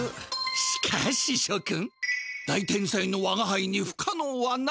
しかししょ君大天才のわがはいにふかのうはない！